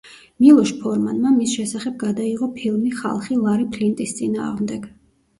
მილოშ ფორმანმა მის შესახებ გადაიღო ფილმი „ხალხი ლარი ფლინტის წინააღმდეგ“.